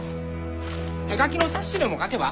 手書きの冊子でも書けば？